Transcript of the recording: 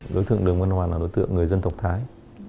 đối tượng lèo văn hoàng là đối tượng người dân tộc thái